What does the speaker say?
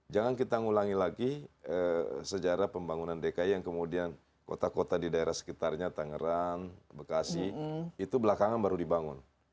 jangan kita ngulangi lagi sejarah pembangunan dki yang kemudian kota kota di daerah sekitarnya tangerang bekasi itu belakangan baru dibangun